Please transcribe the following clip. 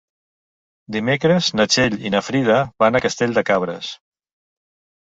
Dimecres na Txell i na Frida van a Castell de Cabres.